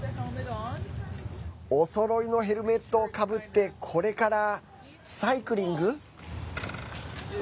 おそろいのヘルメットをかぶってこれからサイクリング？